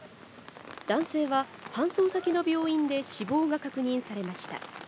男性は搬送先の病院で死亡が確認されました。